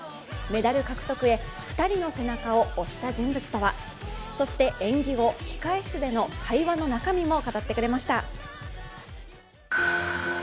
メダル獲得へ、２人の背中を押した人物とはそして、演技後、控室での会話の中身も語ってくれました。